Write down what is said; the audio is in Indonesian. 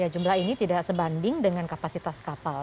jumlah ini tidak sebanding dengan kapasitas kapal